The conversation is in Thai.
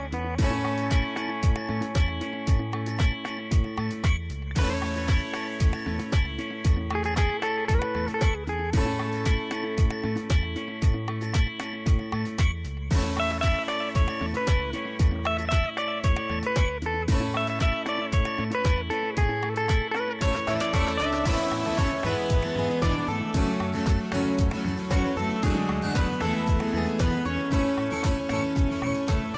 โปรดติดตามตอนต่อไป